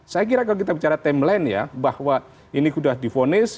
saya kira kalau kita bicara timeline ya bahwa ini sudah difonis